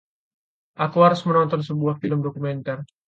Aku harus menonton sebuah film dokumenter.